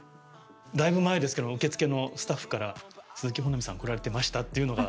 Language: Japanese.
だいぶ前ですけど受付のスタッフから鈴木保奈美さん来られてましたっていうのが。